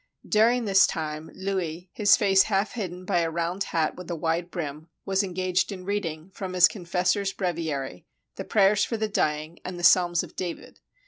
During this time, Louis, his face half hidden by a round hat with a wide brim, was engaged in reading, from his confessor's breviary, the prayers for the dying and the Psalms of David.